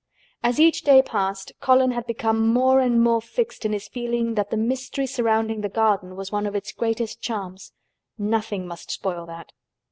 As each day passed, Colin had become more and more fixed in his feeling that the mystery surrounding the garden was one of its greatest charms. Nothing must spoil that.